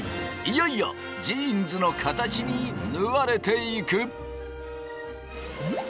いよいよジーンズの形に縫われていく。